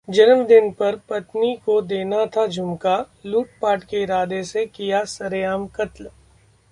जन्मदिन पर पत्नी को देना था झुमका, लूटपाट के इरादे से किया सरेआम कत्ल